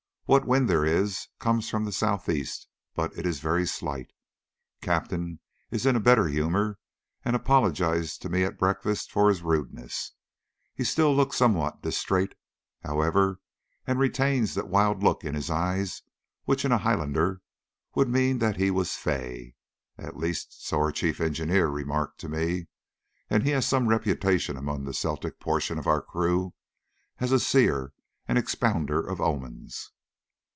What wind there is comes from the south east, but it is very slight. Captain is in a better humour, and apologised to me at breakfast for his rudeness. He still looks somewhat distrait, however, and retains that wild look in his eyes which in a Highlander would mean that he was "fey" at least so our chief engineer remarked to me, and he has some reputation among the Celtic portion of our crew as a seer and expounder of omens.